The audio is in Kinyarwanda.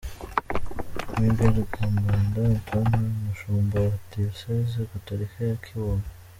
Mgr Kambanda Antoine umushumba wa Diyosezi gatorika ya Kibungo.